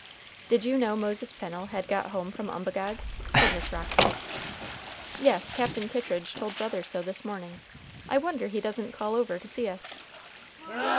"Did you know Moses Pennel had got home from Umbagog?" said Miss Roxy. "Yes. Captain Kittridge told brother so this morning. I wonder he doesn't call over to see us."